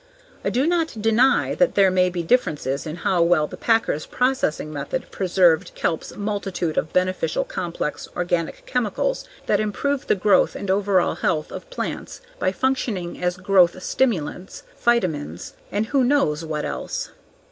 I do not deny that there may be differences in how well the packers processing method preserved kelp's multitude of beneficial complex organic chemicals that improve the growth and overall health of plants by functioning as growth stimulants, phytamins, and who knows what else.